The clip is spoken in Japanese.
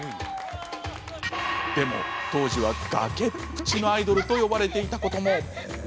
でも、当時は崖っぷちのアイドルと呼ばれていたことも。